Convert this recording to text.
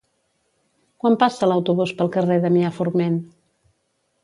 Quan passa l'autobús pel carrer Damià Forment?